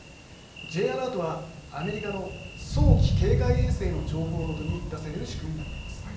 Ｊアラートはアメリカの早期警戒衛星の情報を基に出される仕組みになっています。